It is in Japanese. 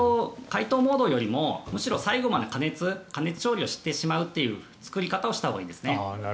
解凍モードよりも最後まで加熱調理をしてしまうという作り方をしたほうがいいですね。